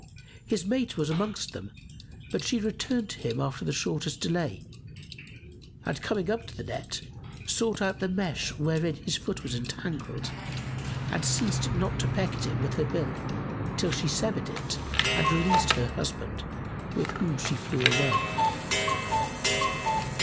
His mate was amongst them, but she returned to him after the shortest delay; and, coming up to the net, sought out the mesh wherein his foot was entangled and ceased not to peck at it with her bill, till she severed it and released her husband, with whom she flew away.